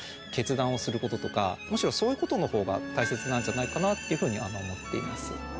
むしろそういうことのほうが大切なんじゃないかなっていうふうには思っています。